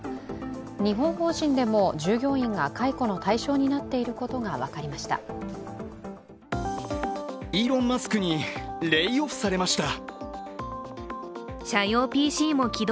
日本法人でも従業員が解雇の対象になっていることが分かりました。